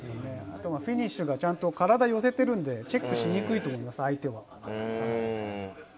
あとはフィニッシュが、ちゃんと体、寄せてるんで、チェックしにくいと思います、相手は。